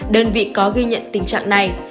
đơn vị có gây nhận tình trạng này